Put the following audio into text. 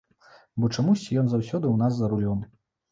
Бо чамусьці ён заўсёды ў нас за рулём.